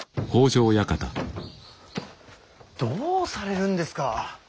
どうされるんですか。